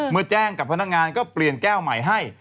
เมื่อแจ้งกับพนักงานก็เปลี่ยนแก้วใหม่ให้